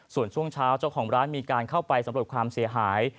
ส่วนช่วงเช้าเจ้าของร้านมีการเข้าไปสำรวจความเสียหาย